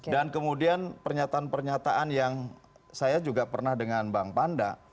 dan kemudian pernyataan pernyataan yang saya juga pernah dengan bang panda